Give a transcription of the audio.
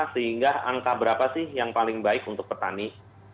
sehingga angka berapa sih yang paling baik untuk petani